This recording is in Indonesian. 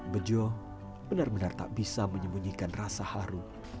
bejo benar benar tak bisa menyembunyikan rasa haru